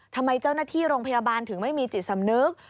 ทำไมเจ้าหน้าที่โรงพยาบาลถึงไม่มีจิตสำนึก